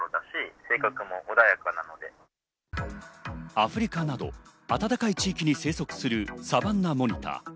アフリカなど、暖かい地域に生息するサバンナモニター。